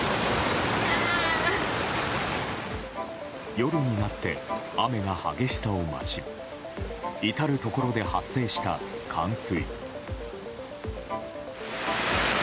夜になって、雨が激しさを増し至るところで発生した冠水。